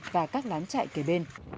và các láng chạy kề bên